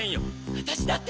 私だって！